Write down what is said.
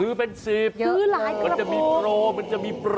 ซื้อแฟนซิปมันจะมีโปรมันจะมีโปร